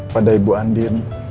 pada ibu andin